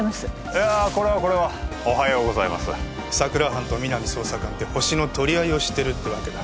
いやこれはこれはおはようございます佐久良班と皆実捜査官でホシの取り合いをしてるってわけだ・